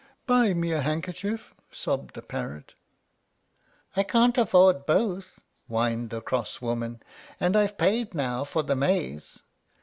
"Buy me a handkerchief," sobbed the parrot. "I can't afford both," whined the cross woman, "and I've paid now for the maize."